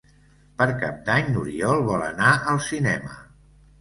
Per Cap d'Any n'Oriol vol anar al cinema.